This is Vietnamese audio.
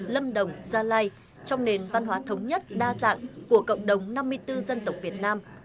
lâm đồng gia lai trong nền văn hóa thống nhất đa dạng của cộng đồng năm mươi bốn dân tộc việt nam